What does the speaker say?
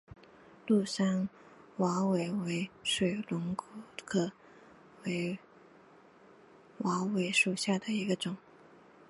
庐山瓦韦为水龙骨科瓦韦属下的一个种。